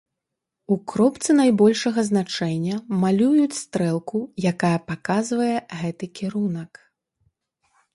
У кропцы найбольшага значэння малююць стрэлку, якая паказвае гэты кірунак.